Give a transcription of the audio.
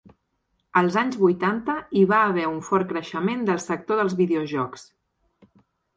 Als anys vuitanta hi va haver un fort creixement del sector dels videojocs.